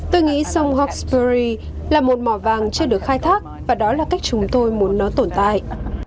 tôi nghĩ sông hawkery là một mỏ vàng chưa được khai thác và đó là cách chúng tôi muốn nó tồn tại